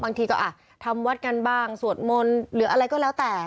บางทีก็ทำวัดกันบ้างสวดมนต์หรืออะไรก็แล้วแต่